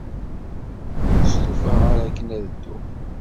Ur stufaɣ ara akken ad dduɣ.